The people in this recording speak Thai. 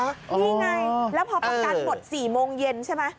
นี่ไงแล้วพอประกันหมด๔โมงเย็นใช่ไหม